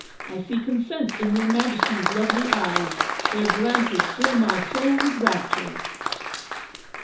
I see consent in Your Majesty's lovely eyes their glances fill my soul with rapture!